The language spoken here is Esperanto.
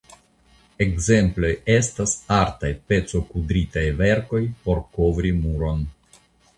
Ekzemploj estas artaj pecokudritaj verkoj por kovri muron.